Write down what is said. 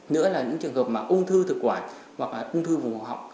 nữa là những trường hợp mà ung thư thực quả hoặc ung thư vùng hỏa học